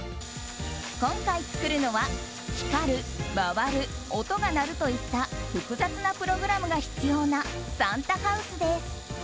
今回、作るのは光る、回る、音が鳴るといった複雑なプログラムが必要なサンタハウスです。